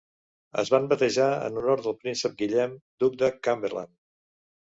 Es van batejar en honor del príncep Guillem, duc de Cumberland.